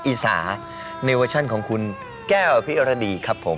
อีสานเนอร์ชั่นของคุณแก้วพิรดีครับผม